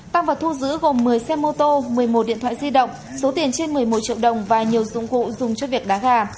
tăng vật thu giữ gồm một mươi xe mô tô một mươi một điện thoại di động số tiền trên một mươi một triệu đồng và nhiều dụng cụ dùng cho việc đá gà